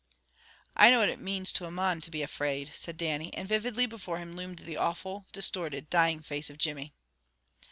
"I know what it means to a mon to be afraid," said Dannie. And vividly before him loomed the awful, distorted, dying face of Jimmy.